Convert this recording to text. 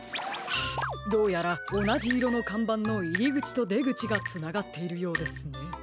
どうやらおなじいろのかんばんのいりぐちとでぐちがつながっているようですね。